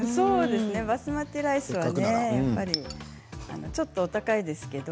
バスマティライスはね、ちょっとお高いですけど。